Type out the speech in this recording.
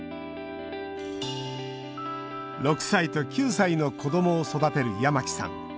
６歳と９歳の子どもを育てる八巻さん。